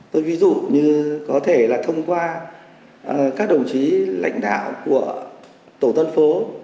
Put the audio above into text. tôi ví dụ như có thể là thông qua các đồng chí lãnh đạo của tổ tân phố